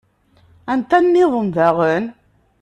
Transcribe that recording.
Anta nniḍen daɣen?